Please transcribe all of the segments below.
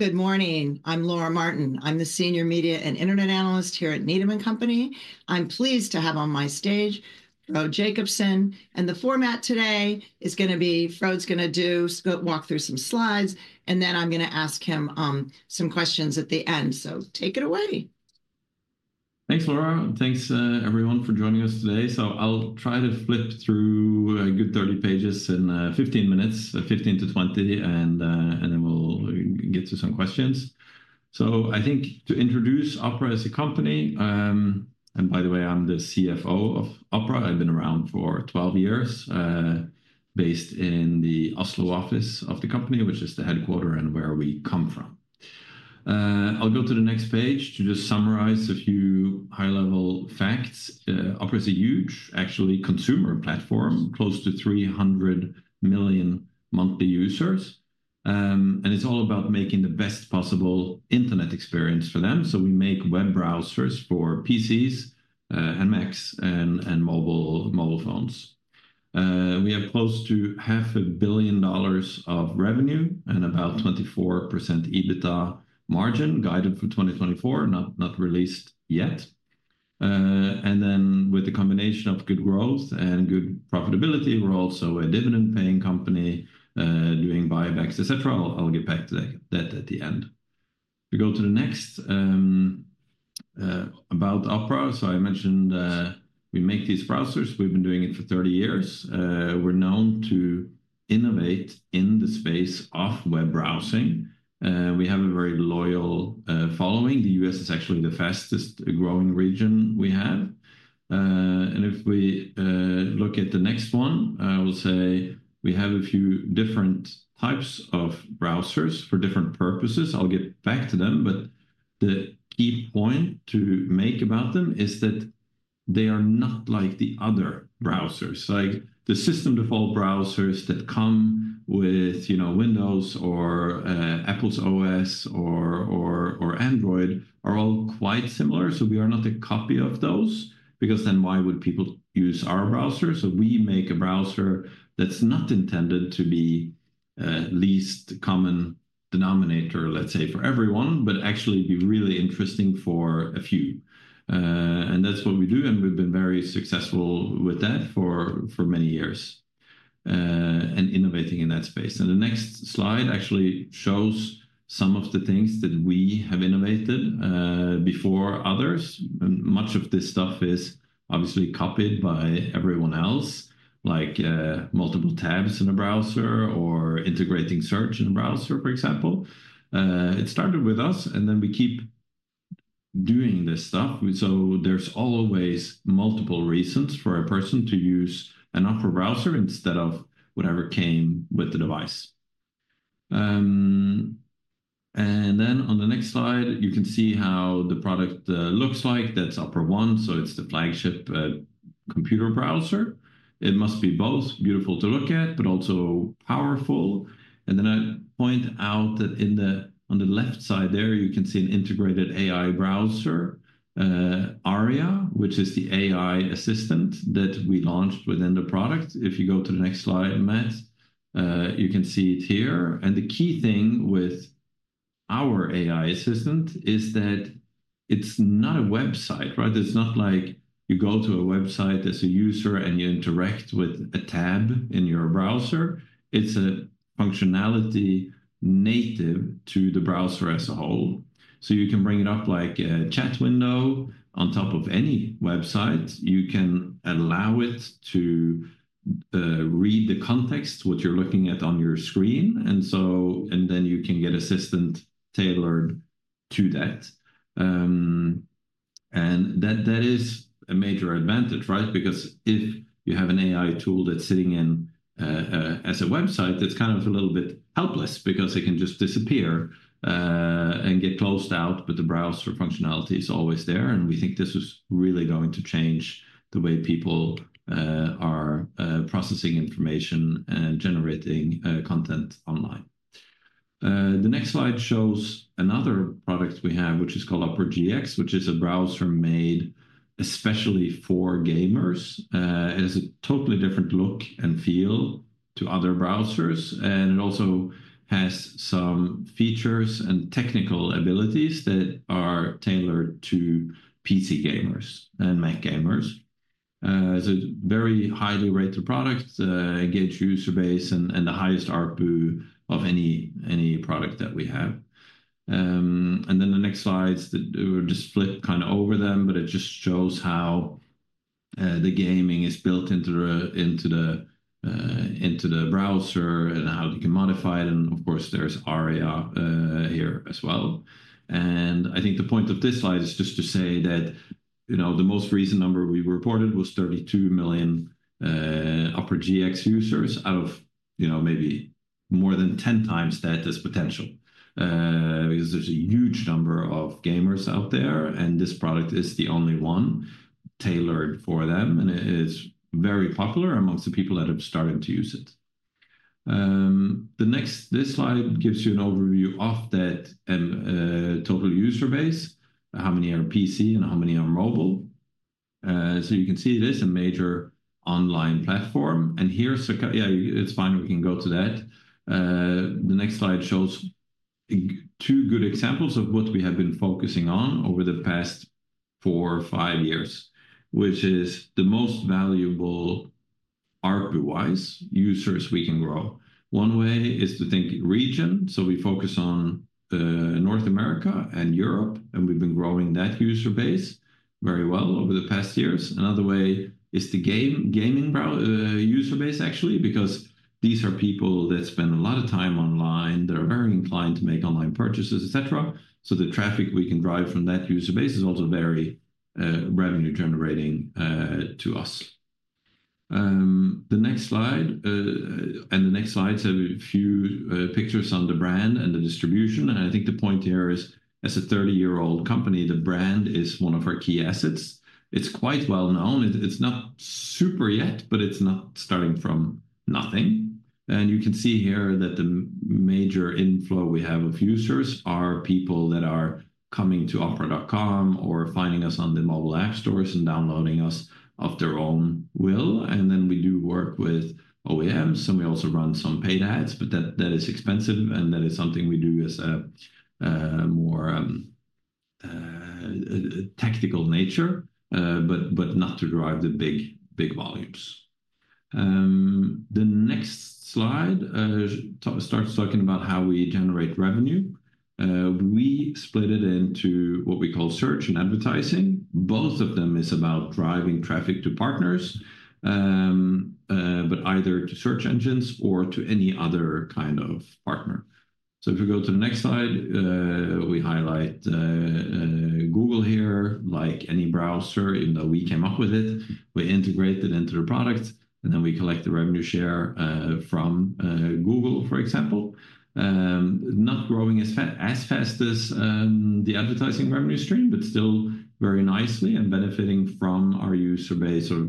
Good morning. I'm Laura Martin. I'm the Senior Media and Internet Analyst here at Needham & Company. I'm pleased to have on my stage Frode Jacobsen, and the format today is going to be Frode's going to do walk through some slides, and then I'm going to ask him some questions at the end. So take it away. Thanks, Laura. Thanks, everyone, for joining us today. So I'll try to flip through a good 30 pages in 15-20 minutes, and then we'll get to some questions. So I think to introduce Opera as a company, and by the way, I'm the CFO of Opera. I've been around for 12 years, based in the Oslo office of the company, which is the headquarters and where we come from. I'll go to the next page to just summarize a few high-level facts. Opera is a huge, actually, consumer platform, close to 300 million monthly users, and it's all about making the best possible internet experience for them. So we make web browsers for PCs and Macs and mobile phones. We have close to $500 million of revenue and about 24% EBITDA margin, guided for 2024, not released yet. And then with the combination of good growth and good profitability, we're also a dividend-paying company doing buybacks, etc. I'll get back to that at the end. We go to the next about Opera. So I mentioned we make these browsers. We've been doing it for 30 years. We're known to innovate in the space of web browsing. We have a very loyal following. The U.S. is actually the fastest growing region we have. And if we look at the next one, I will say we have a few different types of browsers for different purposes. I'll get back to them, but the key point to make about them is that they are not like the other browsers. The system-default browsers that come with Windows or Apple's OS or Android are all quite similar. So we are not a copy of those because then why would people use our browser? So we make a browser that's not intended to be least common denominator, let's say, for everyone, but actually be really interesting for a few. And that's what we do, and we've been very successful with that for many years and innovating in that space. And the next slide actually shows some of the things that we have innovated before others. Much of this stuff is obviously copied by everyone else, like multiple tabs in a browser or integrating search in a browser, for example. It started with us, and then we keep doing this stuff. So there's always multiple reasons for a person to use an Opera browser instead of whatever came with the device. And then on the next slide, you can see how the product looks like. That's Opera One. So it's the flagship computer browser. It must be both beautiful to look at, but also powerful. And then I point out that on the left side there, you can see an integrated AI browser, Aria, which is the AI assistant that we launched within the product. If you go to the next slide, Matt, you can see it here. And the key thing with our AI assistant is that it's not a website, right? It's not like you go to a website, there's a user, and you interact with a tab in your browser. It's a functionality native to the browser as a whole. So you can bring it up like a chat window on top of any website. You can allow it to read the context, what you're looking at on your screen, and then you can get assistant tailored to that. And that is a major advantage, right? Because if you have an AI tool that's sitting in as a website, it's kind of a little bit helpless because it can just disappear and get closed out, but the browser functionality is always there. And we think this is really going to change the way people are processing information and generating content online. The next slide shows another product we have, which is called Opera GX, which is a browser made especially for gamers. It has a totally different look and feel to other browsers, and it also has some features and technical abilities that are tailored to PC gamers and Mac gamers. It's a very highly rated product, engaged user base, and the highest ARPU of any product that we have. Then the next slides, we'll just flip kind of over them, but it just shows how the gaming is built into the browser and how you can modify it. Of course, there's Aria here as well. I think the point of this slide is just to say that the most recent number we reported was 32 million Opera GX users out of maybe more than 10x that is potential because there's a huge number of gamers out there, and this product is the only one tailored for them, and it is very popular amongst the people that have started to use it. This slide gives you an overview of that total user base, how many are PC and how many are mobile. You can see it is a major online platform. Here, yeah, it's fine. We can go to that. The next slide shows two good examples of what we have been focusing on over the past four or five years, which is the most valuable ARPU-wise users we can grow. One way is to think region. So we focus on North America and Europe, and we've been growing that user base very well over the past years. Another way is the gaming user base, actually, because these are people that spend a lot of time online. They're very inclined to make online purchases, etc. So the traffic we can drive from that user base is also very revenue-generating to us. The next slide, and the next slides have a few pictures on the brand and the distribution. And I think the point here is, as a 30-year-old company, the brand is one of our key assets. It's quite well known. It's not super yet, but it's not starting from nothing. And you can see here that the major inflow we have of users are people that are coming to opera.com or finding us on the mobile app stores and downloading us of their own will. And then we do work with OEMs, and we also run some paid ads, but that is expensive, and that is something we do as a more tactical nature, but not to drive the big volumes. The next slide starts talking about how we generate revenue. We split it into what we call search and advertising. Both of them is about driving traffic to partners, but either to search engines or to any other kind of partner. So if we go to the next slide, we highlight Google here, like any browser even though we came up with it. We integrate it into the product, and then we collect the revenue share from Google, for example, not growing as fast as the advertising revenue stream, but still very nicely and benefiting from our user base sort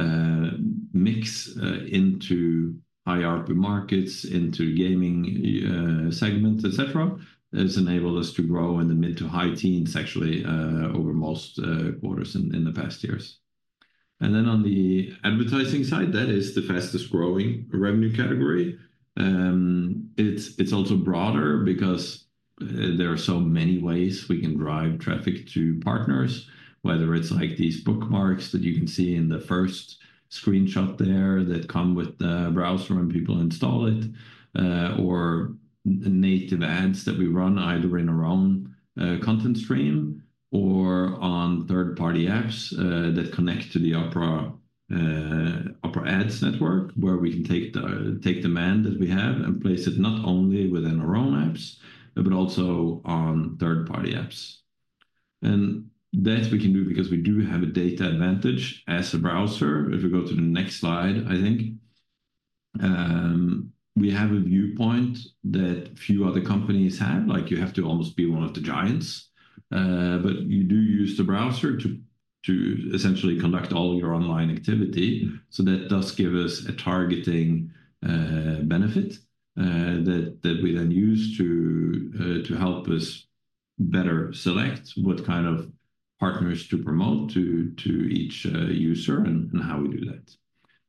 of mix into high ARPU markets, into gaming segments, etc. It's enabled us to grow in the mid to high teens, actually, over most quarters in the past years, and then on the advertising side, that is the fastest growing revenue category. It's also broader because there are so many ways we can drive traffic to partners, whether it's like these bookmarks that you can see in the first screenshot there that come with the browser when people install it, or native ads that we run either in our own content stream or on third-party apps that connect to the Opera Ads network, where we can take the demand that we have and place it not only within our own apps, but also on third-party apps, and that we can do because we do have a data advantage as a browser. If we go to the next slide, I think we have a viewpoint that few other companies have. You have to almost be one of the giants, but you do use the browser to essentially conduct all your online activity. So that does give us a targeting benefit that we then use to help us better select what kind of partners to promote to each user and how we do that.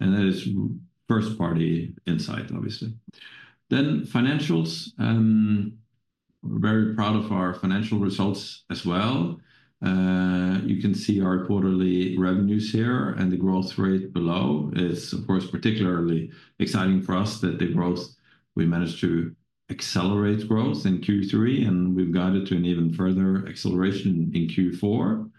And that is first-party insight, obviously. Then financials. We're very proud of our financial results as well. You can see our quarterly revenues here, and the growth rate below is, of course, particularly exciting for us that we managed to accelerate growth in Q3, and we've guided to an even further acceleration in Q4.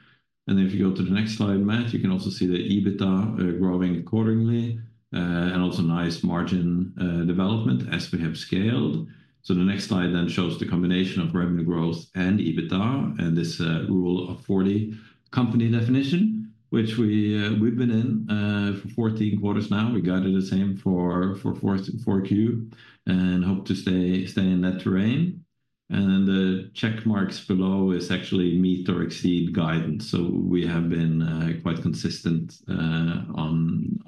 And if you go to the next slide, Matt, you can also see the EBITDA growing accordingly and also nice margin development as we have scaled. So the next slide then shows the combination of revenue growth and EBITDA and this Rule of 40 company definition, which we've been in for 14 quarters now. We guided the same for 4Q and hope to stay in that terrain, and the check marks below is actually meet or exceed guidance, so we have been quite consistent on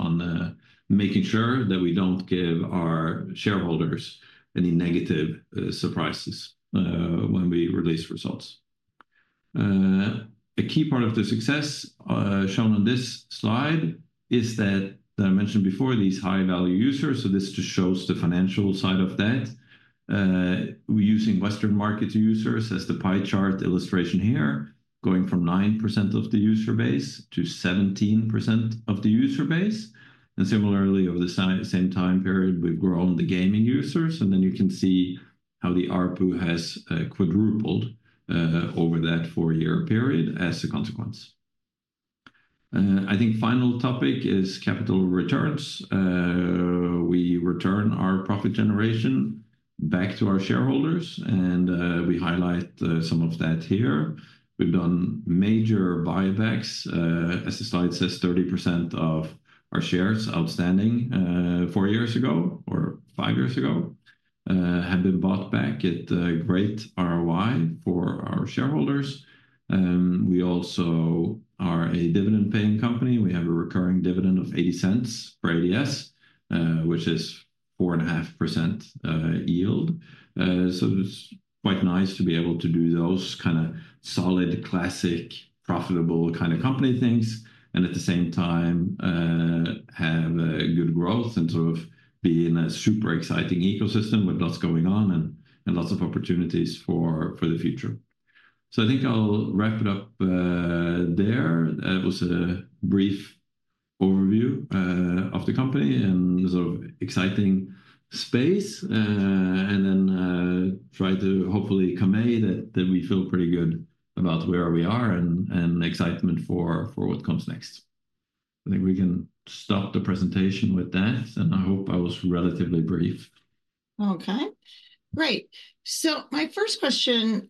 making sure that we don't give our shareholders any negative surprises when we release results. A key part of the success shown on this slide is that I mentioned before, these high-value users, so this just shows the financial side of that. We're using Western market users as the pie chart illustration here, going from 9% of the user base to 17% of the user base, and similarly, over the same time period, we've grown the gaming users, and then you can see how the ARPU has quadrupled over that four-year period as a consequence. I think final topic is capital returns. We return our profit generation back to our shareholders, and we highlight some of that here. We've done major buybacks. As the slide says, 30% of our shares outstanding four years ago or five years ago have been bought back at great ROI for our shareholders. We also are a dividend-paying company. We have a recurring dividend of $0.80 for ADS, which is 4.5% yield. So it's quite nice to be able to do those kind of solid, classic, profitable kind of company things and at the same time have good growth and sort of be in a super exciting ecosystem with lots going on and lots of opportunities for the future. So I think I'll wrap it up there. That was a brief overview of the company and sort of exciting space and then try to hopefully convey that we feel pretty good about where we are and excitement for what comes next. I think we can stop the presentation with that, and I hope I was relatively brief. Okay. Great. So my first question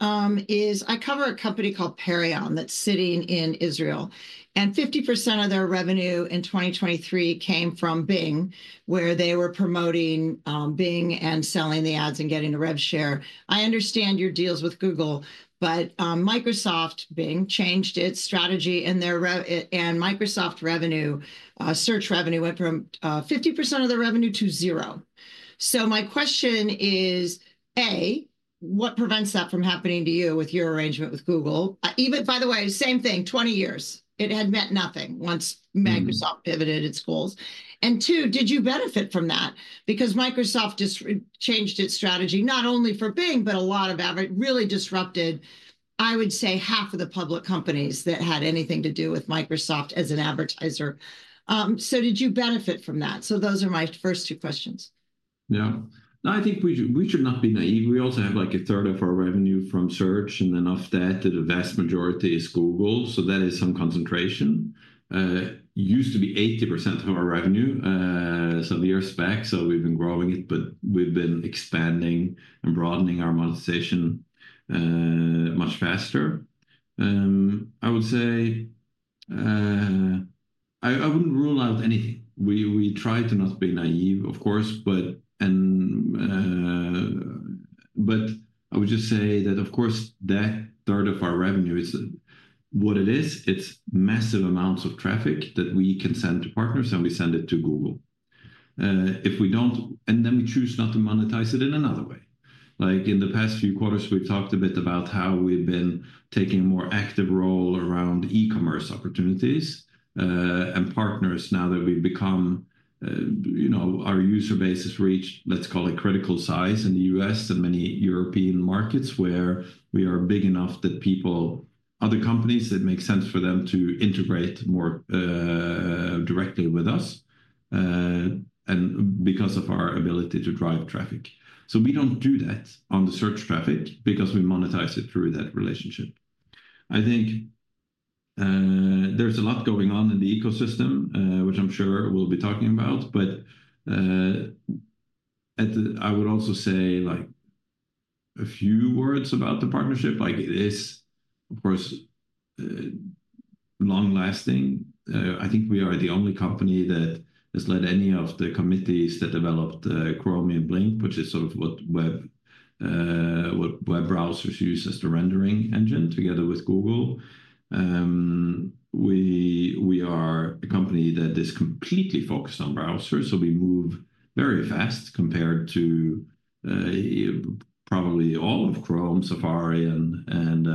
is, I cover a company called Perion that's sitting in Israel, and 50% of their revenue in 2023 came from Bing, where they were promoting Bing and selling the ads and getting the rev share. I understand your deals with Google, but Microsoft Bing changed its strategy, and Microsoft revenue, search revenue went from 50% of the revenue to zero. So my question is, A, what prevents that from happening to you with your arrangement with Google? By the way, same thing, 20 years. It had meant nothing once Microsoft pivoted its goals. And two, did you benefit from that? Because Microsoft just changed its strategy not only for Bing, but a lot of really disrupted, I would say, half of the public companies that had anything to do with Microsoft as an advertiser. So did you benefit from that? So those are my first two questions. Yeah. No, I think we should not be naive. We also have like a 1/3 of our revenue from search, and then of that, the vast majority is Google. So that is some concentration. It used to be 80% of our revenue some years back, so we've been growing it, but we've been expanding and broadening our monetization much faster. I would say I wouldn't rule out anything. We try to not be naive, of course, but I would just say that, of course, that third of our revenue is what it is. It's massive amounts of traffic that we can send to partners, and we send it to Google. If we don't, and then we choose not to monetize it in another way. Like in the past few quarters, we've talked a bit about how we've been taking a more active role around e-commerce opportunities and partners now that we've become, our user base has reached, let's call it critical size in the U.S. and many European markets where we are big enough that people, other companies, it makes sense for them to integrate more directly with us because of our ability to drive traffic. So we don't do that on the search traffic because we monetize it through that relationship. I think there's a lot going on in the ecosystem, which I'm sure we'll be talking about, but I would also say a few words about the partnership. It is, of course, long-lasting. I think we are the only company that has led any of the committees that developed Chromium Blink, which is sort of what web browsers use as the rendering engine together with Google. We are a company that is completely focused on browsers, so we move very fast compared to probably all of Chrome, Safari, and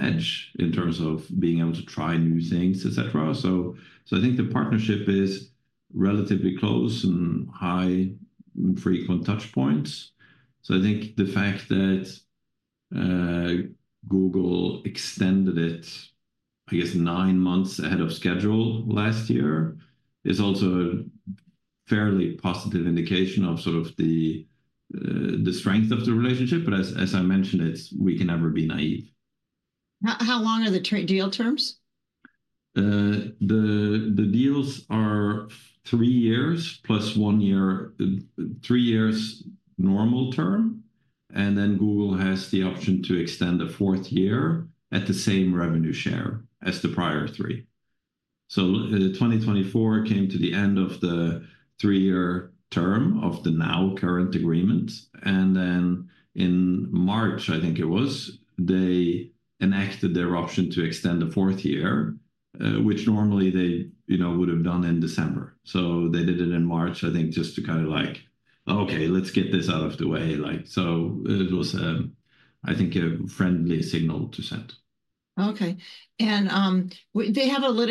Edge in terms of being able to try new things, etc. So I think the partnership is relatively close and high-frequency touchpoints. So I think the fact that Google extended it, I guess, nine months ahead of schedule last year is also a fairly positive indication of sort of the strength of the relationship. But as I mentioned, we can never be naive. How long are the deal terms? The deals are three years plus one year, three years normal term. And then Google has the option to extend a fourth year at the same revenue share as the prior three. So 2024 came to the end of the three-year term of the now current agreement. And then in March, I think it was, they enacted their option to extend a fourth year, which normally they would have done in December. So they did it in March, I think, just to kind of like, "Okay, let's get this out of the way." So it was, I think, a friendly signal to send. Okay. And they have a lot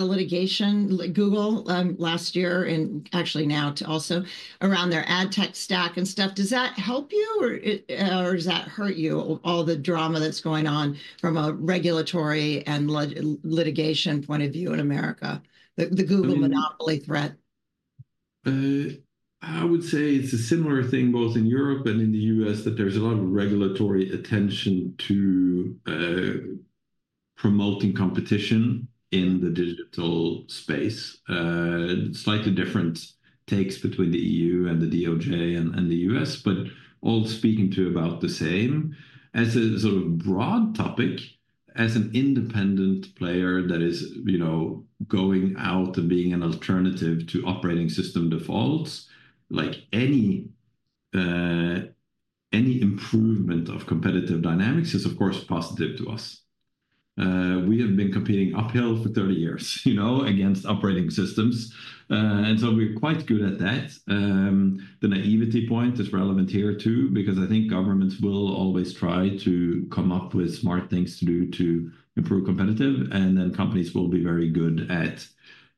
of litigation, Google, last year and actually now also around their ad tech stack and stuff. Does that help you, or does that hurt you, all the drama that's going on from a regulatory and litigation point of view in America, the Google monopoly threat? I would say it's a similar thing both in Europe and in the U.S. that there's a lot of regulatory attention to promoting competition in the digital space. Slightly different takes between the E.U. and the DOJ and the U.S., but all speaking to about the same. As a sort of broad topic, as an independent player that is going out and being an alternative to operating system defaults, any improvement of competitive dynamics is, of course, positive to us. We have been competing uphill for 30 years against operating systems. And so we're quite good at that. The naivety point is relevant here too because I think governments will always try to come up with smart things to do to improve competition, and then companies will be very good at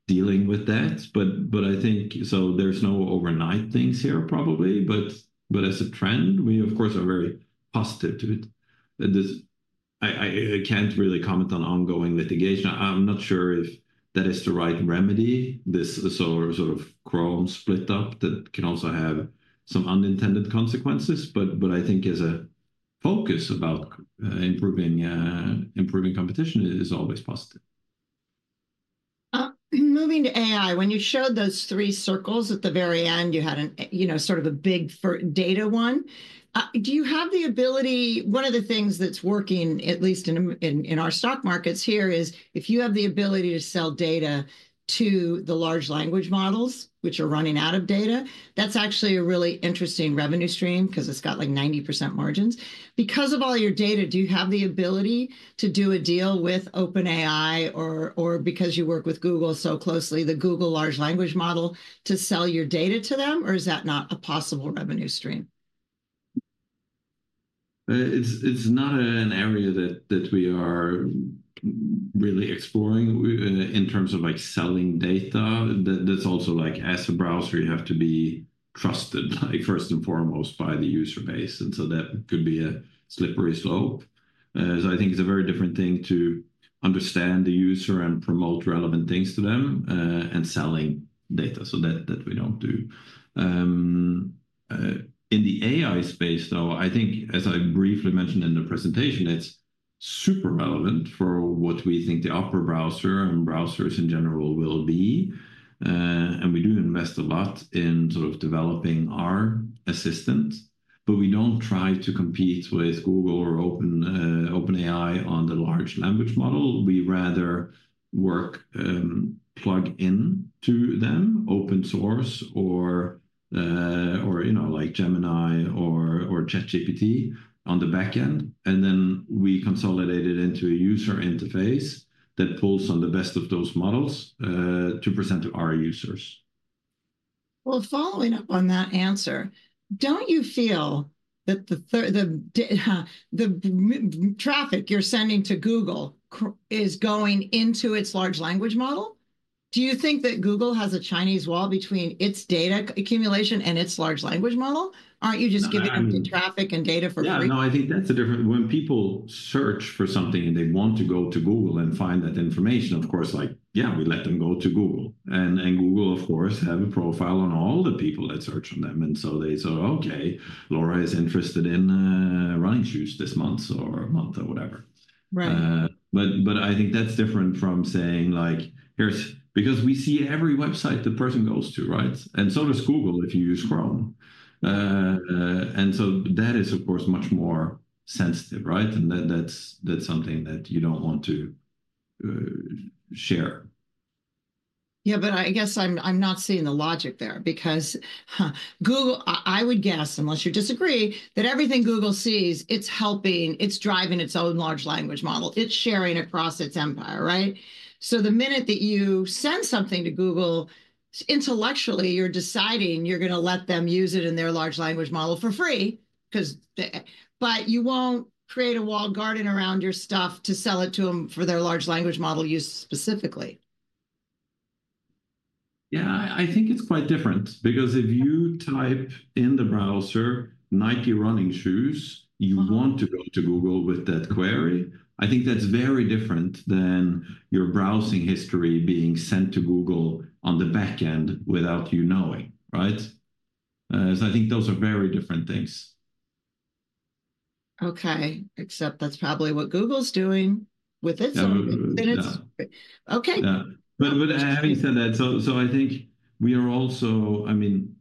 dealing with that. But I think so there's no overnight things here probably, but as a trend, we, of course, are very positive to it. I can't really comment on ongoing litigation. I'm not sure if that is the right remedy, this sort of Chrome split up that can also have some unintended consequences, but I think as a focus about improving competition is always positive. Moving to AI, when you showed those three circles at the very end, you had sort of a big data one. Do you have the ability? One of the things that's working, at least in our stock markets here, is if you have the ability to sell data to the large language models, which are running out of data, that's actually a really interesting revenue stream because it's got like 90% margins. Because of all your data, do you have the ability to do a deal with OpenAI or, because you work with Google so closely, the Google large language model to sell your data to them, or is that not a possible revenue stream? It's not an area that we are really exploring in terms of selling data. That's also like as a browser, you have to be trusted first and foremost by the user base and so that could be a slippery slope. So I think it's a very different thing to understand the user and promote relevant things to them and selling data. So that we don't do. In the AI space, though, I think, as I briefly mentioned in the presentation, it's super relevant for what we think the Opera Browser and browsers in general will be. We do invest a lot in sort of developing our assistant, but we don't try to compete with Google or OpenAI on the large language model. We rather work plugging into them, open source or like Gemini or ChatGPT on the backend. And then we consolidate it into a user interface that pulls on the best of those models to present to our users. Following up on that answer, don't you feel that the traffic you're sending to Google is going into its large language model? Do you think that Google has a Chinese wall between its data accumulation and its large language model? Aren't you just giving them the traffic and data for free? Yeah, no, I think that's a different. When people search for something and they want to go to Google and find that information, of course, yeah, we let them go to Google. Google, of course, has a profile on all the people that search on them. So they say, "Okay, Laura is interested in running shoes this month or month or whatever." But I think that's different from saying, "Here's," because we see every website the person goes to, right? So does Google if you use Chrome. So that is, of course, much more sensitive, right? That's something that you don't want to share. Yeah, but I guess I'm not seeing the logic there because Google, I would guess, unless you disagree, that everything Google sees, it's helping, it's driving its own large language model. It's sharing across its empire, right? So the minute that you send something to Google, intellectually, you're deciding you're going to let them use it in their large language model for free, but you won't create a walled garden around your stuff to sell it to them for their large language model use specifically. Yeah, I think it's quite different because if you type in the browser, "Nike running shoes," you want to go to Google with that query. I think that's very different than your browsing history being sent to Google on the backend without you knowing, right? So I think those are very different things. Okay, except that's probably what Google's doing with its own business. Okay. But having said that, so I think we are also. I mean,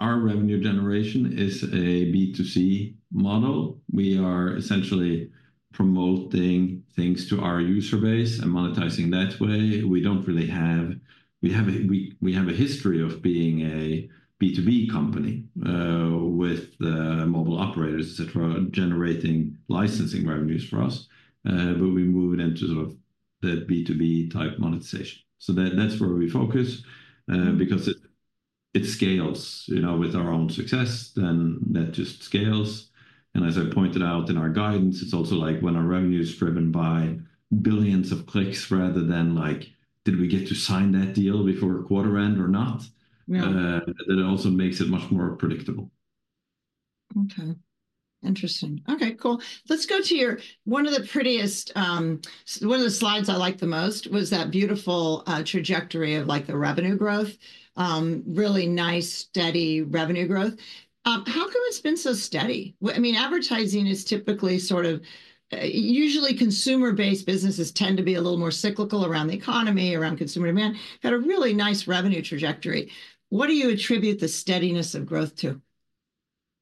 our revenue generation is a B2C model. We are essentially promoting things to our user base and monetizing that way. We don't really have, we have a history of being a B2B company with mobile operators, etc., generating licensing revenues for us, but we moved into sort of the B2B type monetization. So that's where we focus because it scales with our own success, then that just scales. And as I pointed out in our guidance, it's also like when our revenue is driven by billions of clicks rather than like, "Did we get to sign that deal before quarter end or not?" That also makes it much more predictable. Okay. Interesting. Okay, cool. Let's go to your, one of the prettiest, one of the slides I like the most was that beautiful trajectory of the revenue growth, really nice, steady revenue growth. How come it's been so steady? I mean, advertising is typically sort of, usually consumer-based businesses tend to be a little more cyclical around the economy, around consumer demand, had a really nice revenue trajectory. What do you attribute the steadiness of growth to?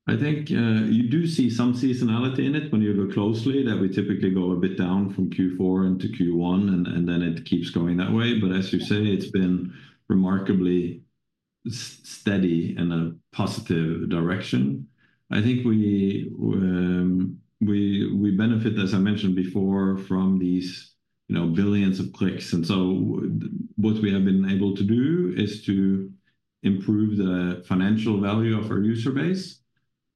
I think you do see some seasonality in it when you look closely that we typically go a bit down from Q4 into Q1, and then it keeps going that way. But as you say, it's been remarkably steady in a positive direction. I think we benefit, as I mentioned before, from these billions of clicks. What we have been able to do is to improve the financial value of our user base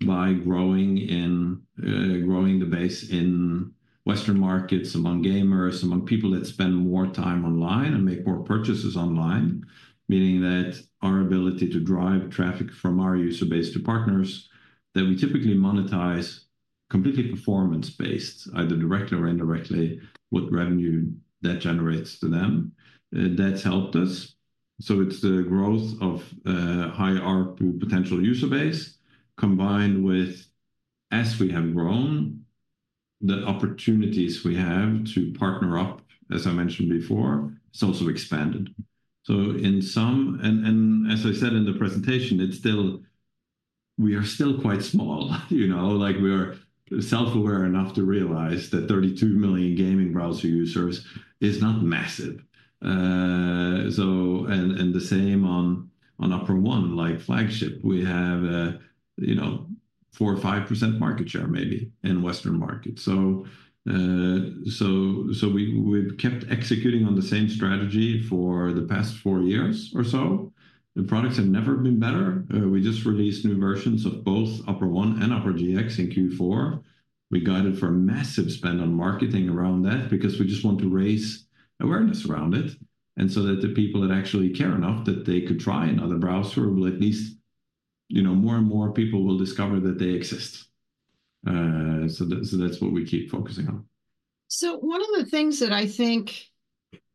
by growing the base in Western markets among gamers, among people that spend more time online and make more purchases online, meaning that our ability to drive traffic from our user base to partners that we typically monetize completely performance-based, either directly or indirectly, what revenue that generates to them. That's helped us. It's the growth of high ARPU potential user base combined with, as we have grown, the opportunities we have to partner up, as I mentioned before. It's also expanded. As I said in the presentation, we are still quite small. We are self-aware enough to realize that 32 million gaming browser users is not massive. The same on Opera One, like flagship. We have 4%-5% market share maybe in Western markets. So we've kept executing on the same strategy for the past four years or so. The products have never been better. We just released new versions of both Opera One and Opera GX in Q4. We got it for a massive spend on marketing around that because we just want to raise awareness around it. And so that the people that actually care enough that they could try another browser, at least more and more people will discover that they exist. So that's what we keep focusing on. So one of the things that I think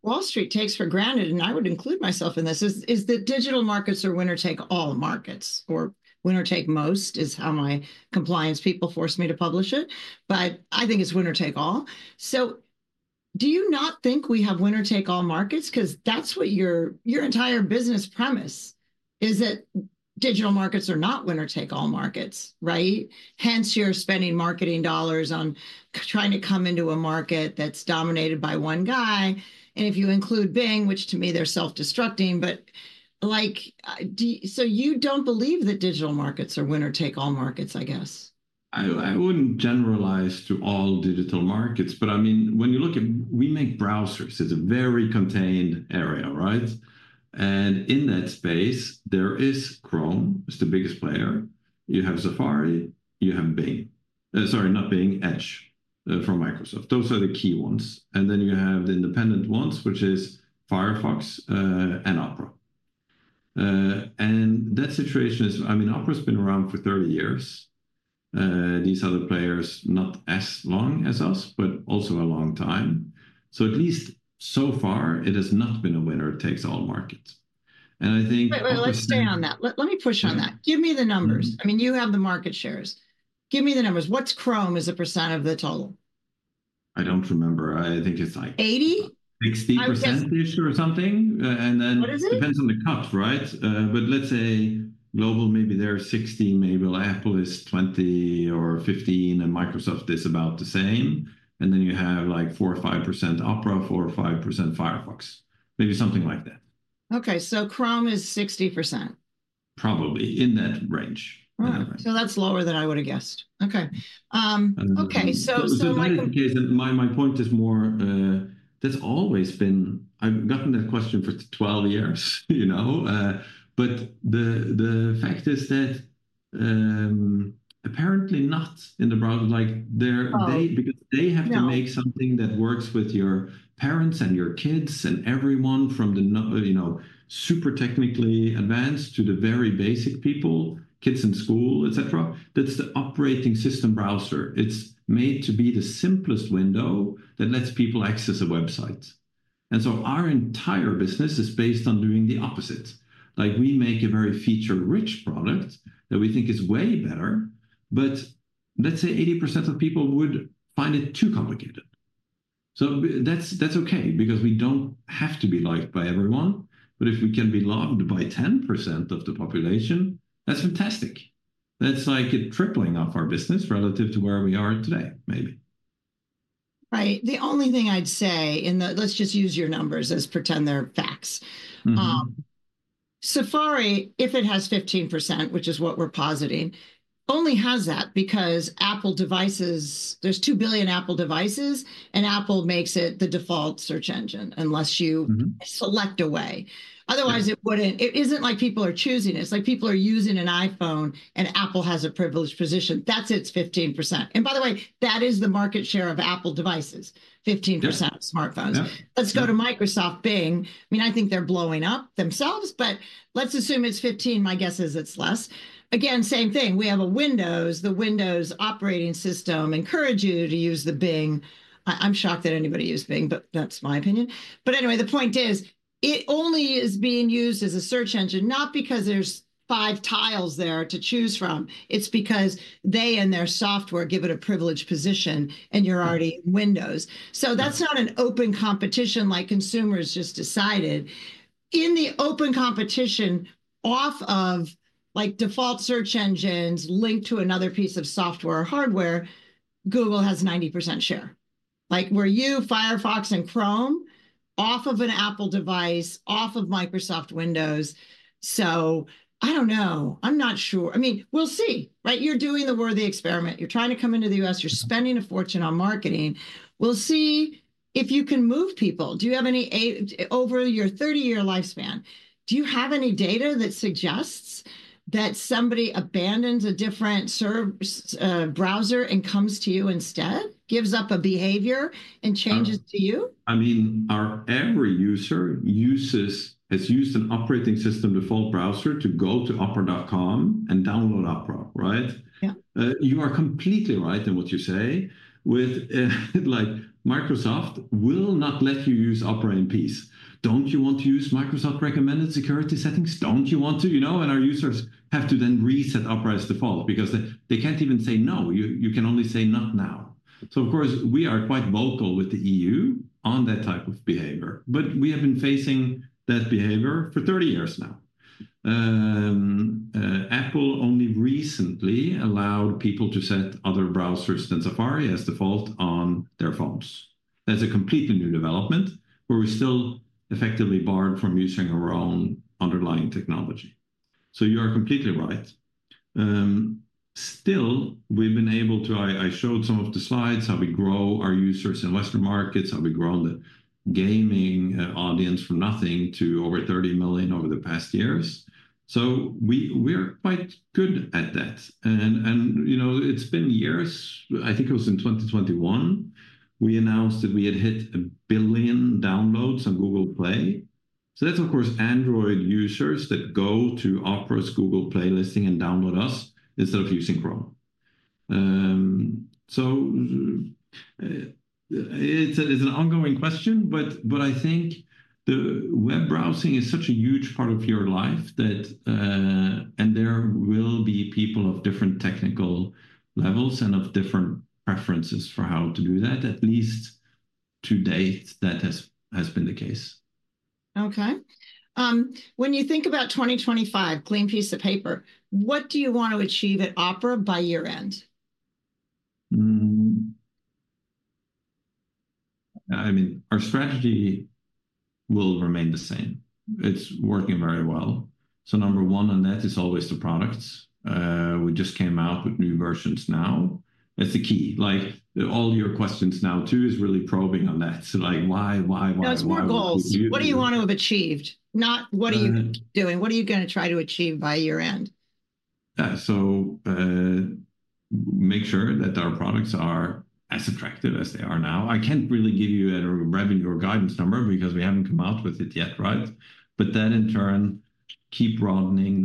Wall Street takes for granted, and I would include myself in this, is that digital markets are winner-take-all markets, or winner-take-most is how my compliance people forced me to publish it. But I think it's winner-take-all. So do you not think we have winner-take-all markets? Because that's what your entire business premise is, that digital markets are not winner-take-all markets, right? Hence, you're spending marketing dollars on trying to come into a market that's dominated by one guy. And if you include Bing, which to me, they're self-destructing, but so you don't believe that digital markets are winner-take-all markets, I guess. I wouldn't generalize to all digital markets, but I mean, when you look at, we make browsers, it's a very contained area, right? And in that space, there is Chrome, it's the biggest player. You have Safari, you have Bing. Sorry, not Bing, Edge from Microsoft. Those are the key ones. And then you have the independent ones, which is Firefox and Opera. And that situation is, I mean, Opera has been around for 30 years. These other players, not as long as us, but also a long time. So at least so far, it has not been a winner-take-all market. And I think. Wait, wait, let's stay on that. Let me push on that. Give me the numbers. I mean, you have the market shares. Give me the numbers. What's Chrome as a percent of the total? I don't remember. I think it's like 80%? 60%-ish or something. And then it depends on the cut, right? But let's say global, maybe they're 60, maybe Apple is 20 or 15, and Microsoft is about the same. And then you have like 4% or 5% Opera, 4% or 5% Firefox, maybe something like that. Okay, so Chrome is 60%. Probably in that range. Okay, so that's lower than I would have guessed. Okay. Okay, so my. My point is more, that's always been, I've gotten that question for 12 years. But the fact is that apparently not in the browser, because they have to make something that works with your parents and your kids and everyone from the super technically advanced to the very basic people, kids in school, etc. That's the operating system browser. It's made to be the simplest window that lets people access a website. And so our entire business is based on doing the opposite. We make a very feature-rich product that we think is way better, but let's say 80% of people would find it too complicated. So that's okay because we don't have to be liked by everyone, but if we can be loved by 10% of the population, that's fantastic. That's like tripling up our business relative to where we are today, maybe. Right. The only thing I'd say, and let's just use your numbers as pretend they're facts. Safari, if it has 15%, which is what we're positing, only has that because Apple devices. There's 2 billion Apple devices, and Apple makes it the default search engine unless you select a way. Otherwise, it isn't like people are choosing it. It's like people are using an iPhone and Apple has a privileged position. That's its 15%. And by the way, that is the market share of Apple devices, 15% of smartphones. Let's go to Microsoft Bing. I mean, I think they're blowing up themselves, but let's assume it's 15%. My guess is it's less. Again, same thing. We have Windows. The Windows operating system encourages you to use the Bing. I'm shocked that anybody uses Bing, but that's my opinion. But anyway, the point is it only is being used as a search engine, not because there's five tiles there to choose from. It's because they and their software give it a privileged position and you're already in Windows, so that's not an open competition like consumers just decided. In the open competition off of default search engines linked to another piece of software or hardware, Google has 90% share, where you, Firefox and Chrome, off of an Apple device, off of Microsoft Windows, so I don't know. I'm not sure. I mean, we'll see, right? You're doing the worthy experiment. You're trying to come into the U.S. You're spending a fortune on marketing. We'll see if you can move people. Do you have any over your 30-year lifespan? Do you have any data that suggests that somebody abandons a different browser and comes to you instead, gives up a behavior and changes to you? I mean, every user has used an operating system default browser to go to opera.com and download Opera, right? You are completely right in what you say. Microsoft will not let you use Opera in peace. Don't you want to use Microsoft recommended security settings? Don't you want to, and our users have to then reset Opera as default because they can't even say no. You can only say not now, so of course, we are quite vocal with the EU on that type of behavior, but we have been facing that behavior for 30 years now. Apple only recently allowed people to set other browsers than Safari as default on their phones. That's a completely new development where we're still effectively barred from using our own underlying technology, so you are completely right. Still, we've been able to. I showed some of the slides, how we grow our users in Western markets, how we grow the gaming audience from nothing to over 30 million over the past years. So we're quite good at that. And it's been years. I think it was in 2021, we announced that we had hit a billion downloads on Google Play. So that's, of course, Android users that go to Opera's Google Play listing and download us instead of using Chrome. So it's an ongoing question, but I think the web browsing is such a huge part of your life that, and there will be people of different technical levels and of different preferences for how to do that. At least to date, that has been the case. Okay. When you think about 2025, clean piece of paper, what do you want to achieve at Opera by year end? I mean, our strategy will remain the same. It's working very well. So number one on that is always the products. We just came out with new versions now. That's the key. All your questions now too is really probing on that. So why, why, why? No, it's more goals. What do you want to have achieved? Not what are you doing? What are you going to try to achieve by year end? So make sure that our products are as attractive as they are now. I can't really give you a revenue or guidance number because we haven't come out with it yet, right? But that in turn, keep broadening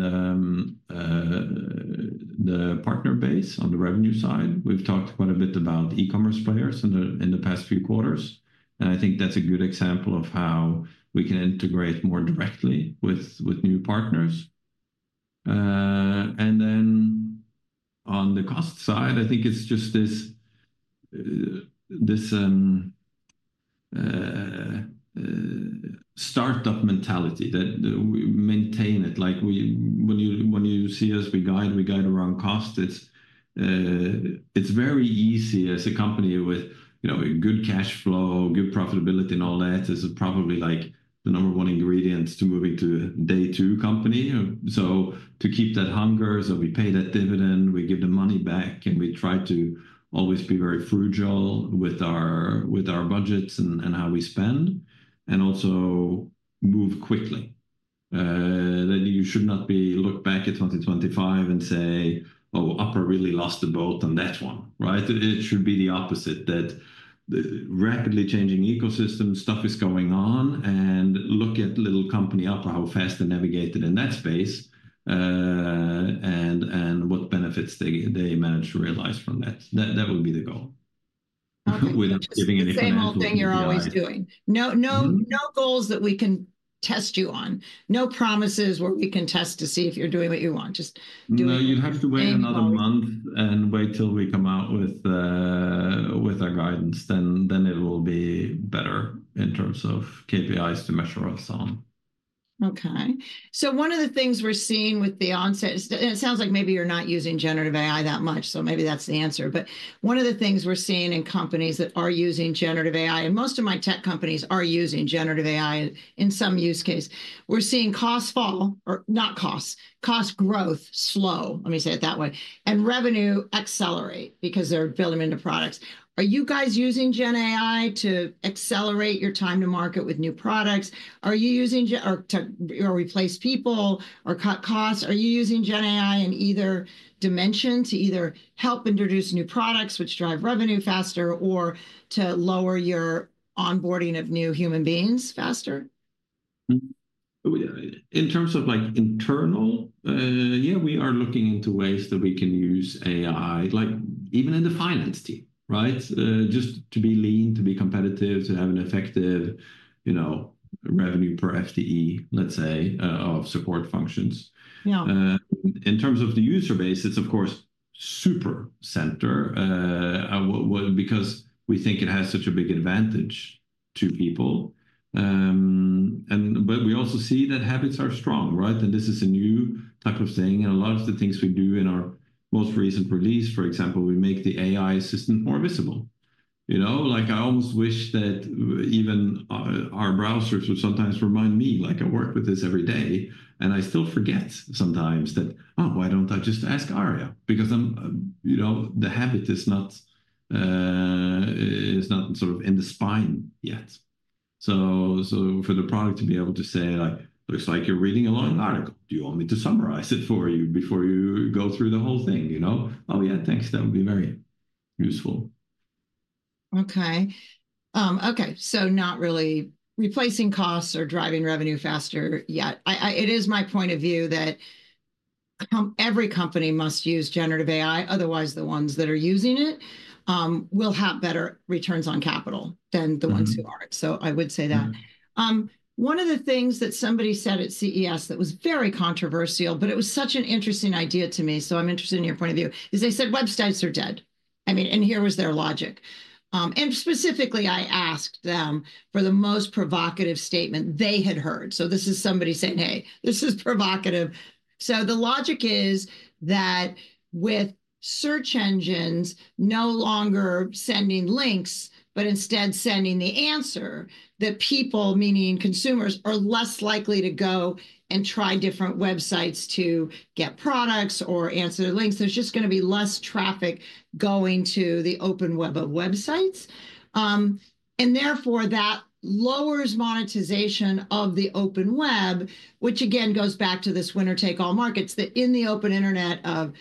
the partner base on the revenue side. We've talked quite a bit about e-commerce players in the past few quarters. I think that's a good example of how we can integrate more directly with new partners. Then on the cost side, I think it's just this startup mentality that we maintain it. When you see us, we guide around cost. It's very easy as a company with good cash flow, good profitability and all that is probably like the number one ingredients to moving to a day two company. To keep that hunger, we pay that dividend, we give the money back, and we try to always be very frugal with our budgets and how we spend and also move quickly. You should not be looking back at 2025 and say, "Oh, Opera really missed the boat on that one," right? It should be the opposite, that the rapidly changing ecosystem, stuff is going on, and look at little company Opera how fast they navigated in that space and what benefits they managed to realize from that. That would be the goal. Without giving anything away. Same old thing you're always doing. No goals that we can test you on. No promises where we can test to see if you're doing what you want. Just do it. No, you'd have to wait another month and wait till we come out with our guidance. Then it will be better in terms of KPIs to measure us on. Okay. So one of the things we're seeing with the onset, and it sounds like maybe you're not using generative AI that much, so maybe that's the answer. But one of the things we're seeing in companies that are using generative AI, and most of my tech companies are using generative AI in some use case, we're seeing cost fall, or not costs, cost growth slow, let me say it that way, and revenue accelerate because they're building into products. Are you guys using Gen AI to accelerate your time to market with new products? Are you using to replace people or cut costs? Are you using Gen AI in either dimension to either help introduce new products, which drive revenue faster, or to lower your onboarding of new human beings faster? In terms of internal, yeah, we are looking into ways that we can use AI, even in the finance team, right? Just to be lean, to be competitive, to have an effective revenue per FTE, let's say, of support functions. In terms of the user base, it's of course super center because we think it has such a big advantage to people. But we also see that habits are strong, right? And this is a new type of thing. And a lot of the things we do in our most recent release, for example, we make the AI assistant more visible. I almost wish that even our browsers would sometimes remind me, like I work with this every day, and I still forget sometimes that, "Oh, why don't I just ask Aria?" Because the habit is not sort of in the spine yet. So for the product to be able to say, "Looks like you're reading a long article. Do you want me to summarize it for you before you go through the whole thing?" Oh yeah, thanks. That would be very useful. Okay. Okay, so not really replacing costs or driving revenue faster yet. It is my point of view that every company must use generative AI, otherwise the ones that are using it will have better returns on capital than the ones who aren't, so I would say that. One of the things that somebody said at CES that was very controversial, but it was such an interesting idea to me, so I'm interested in your point of view, is they said websites are dead. I mean, and here was their logic and specifically, I asked them for the most provocative statement they had heard, so this is somebody saying, "Hey, this is provocative," so the logic is that with search engines no longer sending links, but instead sending the answer, that people, meaning consumers, are less likely to go and try different websites to get products or answer links. There's just going to be less traffic going to the open web of websites. And therefore, that lowers monetization of the open web, which again goes back to this winner-take-all market, that in the open internet of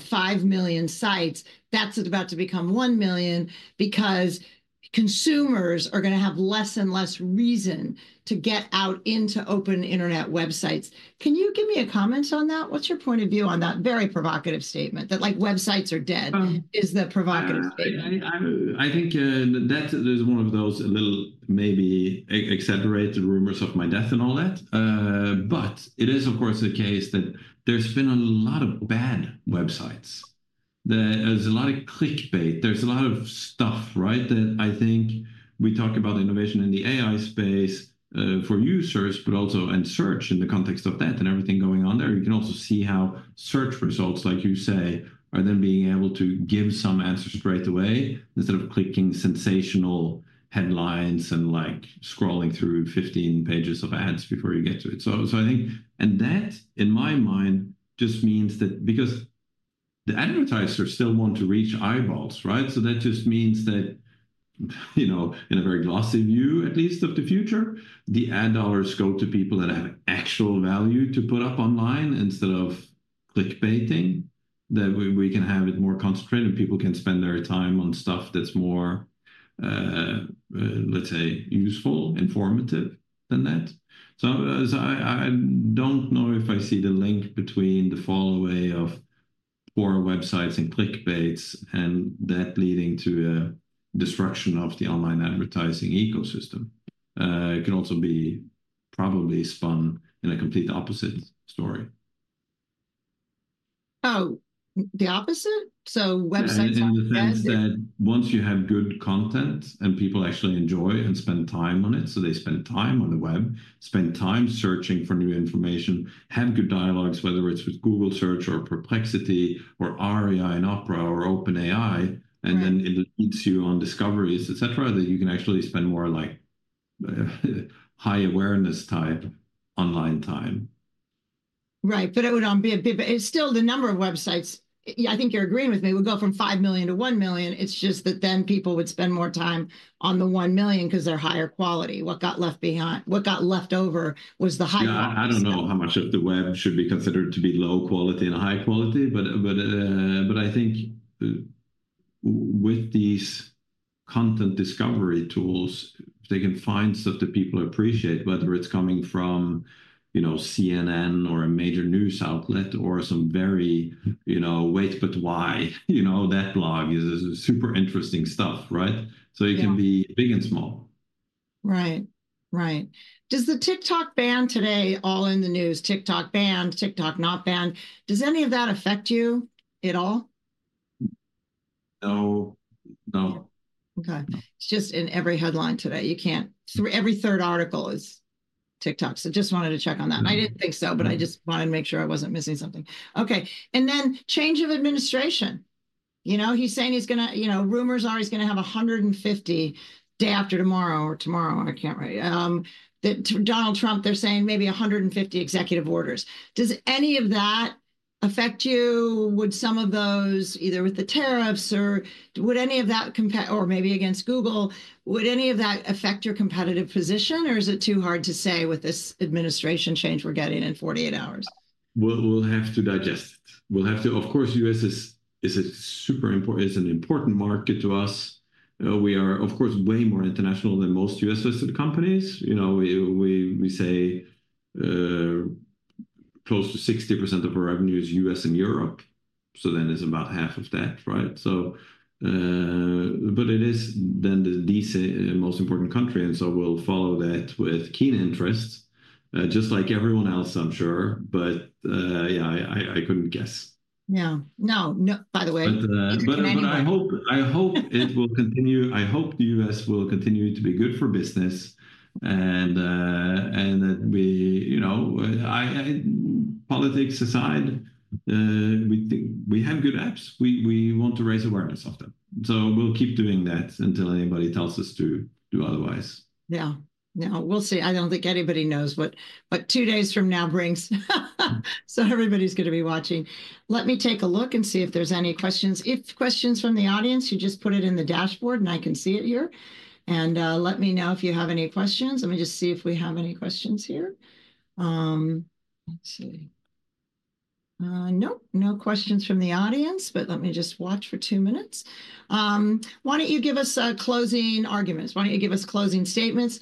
five million sites, that's about to become one million because consumers are going to have less and less reason to get out into open internet websites. Can you give me a comment on that? What's your point of view on that very provocative statement that websites are dead is the provocative statement? I think that is one of those little maybe exaggerated rumors of my death and all that. But it is, of course, the case that there's been a lot of bad websites. There's a lot of clickbait. There's a lot of stuff, right, that I think we talk about innovation in the AI space for users, but also in search in the context of that and everything going on there. You can also see how search results, like you say, are then being able to give some answers straight away instead of clicking sensational headlines and scrolling through 15 pages of ads before you get to it. So I think, and that in my mind just means that because the advertisers still want to reach eyeballs, right? So that just means that in a very glossy view, at least of the future, the ad dollars go to people that have actual value to put up online instead of clickbaiting, that we can have it more concentrated and people can spend their time on stuff that's more, let's say, useful, informative than that. I don't know if I see the link between the fall away of poor websites and clickbaits and that leading to a destruction of the online advertising ecosystem. It can also be probably spun in a complete opposite story. Oh, the opposite? So websites aren't as good? I mean, the thing is that once you have good content and people actually enjoy and spend time on it, so they spend time on the web, spend time searching for new information, have good dialogues, whether it's with Google Search or Perplexity or Aria and Opera or OpenAI, and then it leads you on discoveries, etc., that you can actually spend more high awareness type online time. Right, but it would be a bit still the number of websites, I think you're agreeing with me, would go from five million to one million. It's just that then people would spend more time on the one million because they're higher quality. What got left behind, what got left over was the high quality. Yeah, I don't know how much of the web should be considered to be low quality and high quality, but I think with these content discovery tools, they can find stuff that people appreciate, whether it's coming from CNN or a major news outlet or some very wait, but why that blog is super interesting stuff, right? So it can be big and small. Right, right. Does the TikTok ban today all in the news? TikTok banned, TikTok not banned. Does any of that affect you at all? No, no. Okay. It's just in every headline today. Every third article is TikTok. So just wanted to check on that. I didn't think so, but I just wanted to make sure I wasn't missing something. Okay. And then change of administration. He's saying he's going to, rumors are he's going to have 150 day after tomorrow or tomorrow, I can't remember. Donald Trump, they're saying maybe 150 executive orders. Does any of that affect you? Would some of those, either with the tariffs or would any of that, or maybe against Google, would any of that affect your competitive position or is it too hard to say with this administration change we're getting in 48 hours? We'll have to digest it. We'll have to, of course, the U.S. is an important market to us. We are, of course, way more international than most U.S.-listed companies. We say close to 60% of our revenue is U.S. and Europe. So then it's about half of that, right? But it is then the most important country. And so we'll follow that with keen interest, just like everyone else, I'm sure. But yeah, I couldn't guess. Yeah. No, no, by the way. But I hope it will continue. I hope the U.S. will continue to be good for business and that we, politics aside, we have good apps. We want to raise awareness of them. So we'll keep doing that until anybody tells us to do otherwise. Yeah. Yeah, we'll see. I don't think anybody knows, but two days from now brings. So everybody's going to be watching. Let me take a look and see if there's any questions. If questions from the audience, you just put it in the dashboard and I can see it here. And let me know if you have any questions. Let me just see if we have any questions here. Let's see. Nope, no questions from the audience, but let me just watch for two minutes. Why don't you give us closing arguments? Why don't you give us closing statements?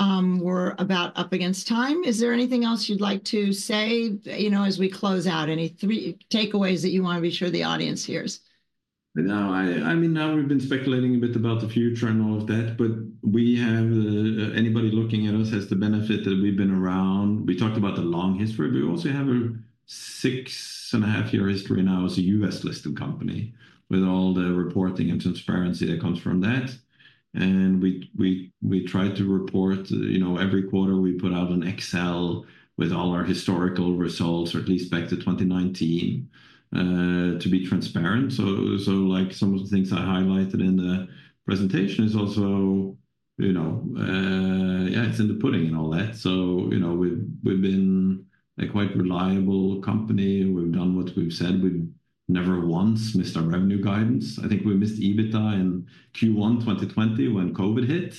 We're about up against time. Is there anything else you'd like to say as we close out? Any three takeaways that you want to be sure the audience hears? No, I mean, now we've been speculating a bit about the future and all of that, but anybody looking at us has the benefit that we've been around. We talked about the long history, but we also have a six and a half year history now as a U.S.-listed company with all the reporting and transparency that comes from that, and we try to report every quarter. We put out an Excel with all our historical results, or at least back to 2019, to be transparent. Some of the things I highlighted in the presentation is also, yeah, it's in the pudding and all that. We've been a quite reliable company. We've done what we've said. We've never once missed our revenue guidance. I think we missed EBITDA in Q1 2020 when COVID hit.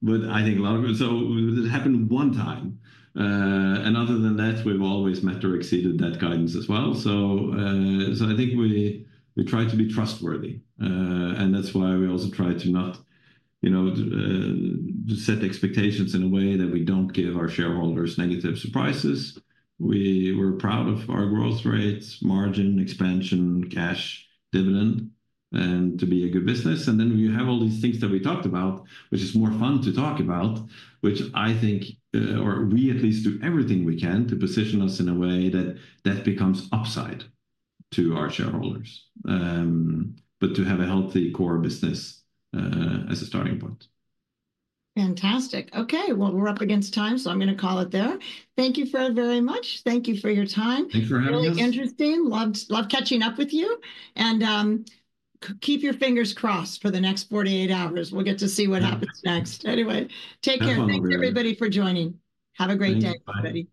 But I think a lot of it, so it happened one time. And other than that, we've always met or exceeded that guidance as well. I think we try to be trustworthy. And that's why we also try to not set expectations in a way that we don't give our shareholders negative surprises. We were proud of our growth rates, margin, expansion, cash, dividend, and to be a good business. And then we have all these things that we talked about, which is more fun to talk about, which I think, or we at least do everything we can to position us in a way that that becomes upside to our shareholders. But to have a healthy core business as a starting point. Fantastic. Okay, well, we're up against time, so I'm going to call it there. Thank you, Fred, very much. Thank you for your time. Thanks for having us. Really interesting. Loved catching up with you. And keep your fingers crossed for the next 48 hours. We'll get to see what happens next. Anyway, take care. Thanks, everybody, for joining. Have a great day, everybody.